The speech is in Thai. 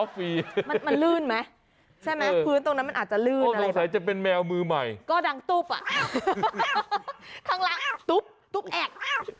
ข้างล่างตุ๊บตุ๊บแอ๊ก